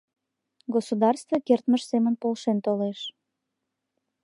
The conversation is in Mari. — Государство кертмыж семын полшен толеш.